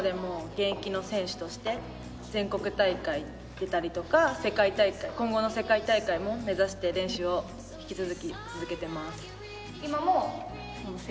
全国大会に出たりとか今後の世界大会も目指して練習を引き続き続けています。